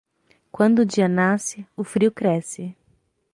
Quando o dia nasce, o frio cresce.